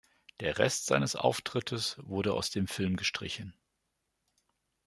Der Rest seines Auftrittes wurde aus dem Film gestrichen.